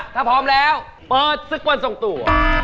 ถ้าพร้อมแล้วเปิดศึกวันทรงตัว